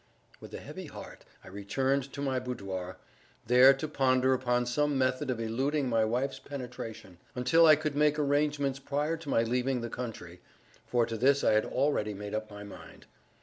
With a heavy heart I returned to my boudoir—there to ponder upon some method of eluding my wife's penetration, until I could make arrangements prior to my leaving the country, for to this I had already made up my mind.